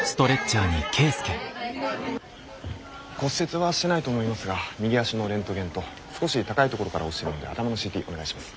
骨折はしてないと思いますが右足のレントゲンと少し高い所から落ちてるので頭のＣＴお願いします。